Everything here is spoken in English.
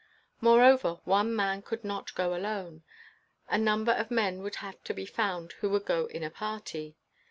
Moreover one man could not go alone. A number of men would have to be found who would go in a party.